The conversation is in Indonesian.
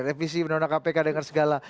revisi pemerintahan kpk dengan segala